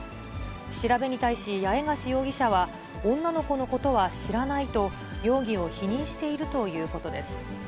調べに対し、八重樫容疑者は、女の子のことは知らないと、容疑を否認しているということです。